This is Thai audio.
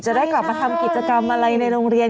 จะได้กลับมาทำกิจกรรมอะไรในโรงเรียน